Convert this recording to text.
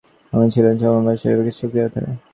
তিনি ছিলেন সমভাব নিরপেক্ষ শক্তির আধার।